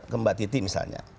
ke mbak titi misalnya